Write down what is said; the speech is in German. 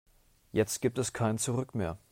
Jetzt gibt es kein Zurück mehr.